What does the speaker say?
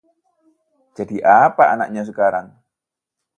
Jadi apa anaknya sekarang?